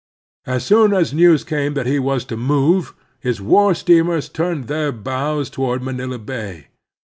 As soon as news came that he was to move, his war steamers turned their bows toward Manila Bay.